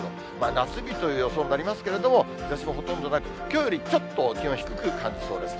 夏日という予想になりますけれども、日ざしもほとんどなく、きょうよりちょっと気温低く感じそうです。